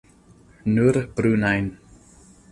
Nur brunajn.